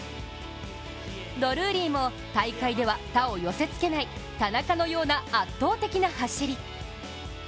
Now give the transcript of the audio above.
ドルーリーも大会では他を寄せつけない田中のような圧倒的な走り。